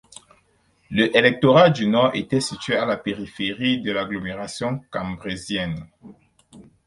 Le électoral du Nord était situé à la périphérie de l'agglomération Cambrésienne.